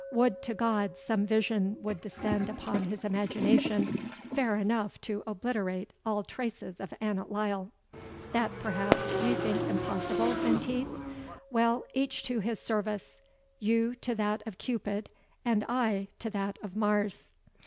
Would to God some vision would descend upon his imagination fair enough to obliterate all traces of Annot Lyle! That perhaps you think impossible, Menteith? Well, each to his service; you to that of Cupid, and I to that of Mars."